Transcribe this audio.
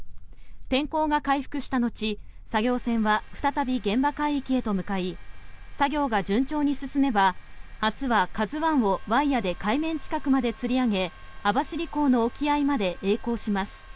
天候が回復した後作業船は再び現場海域へと向かい作業が順調に進めば明日は「ＫＡＺＵ１」をワイヤで海面近くまでつり上げ網走港の沖合までえい航します。